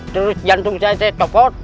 terus jantung saya terkejar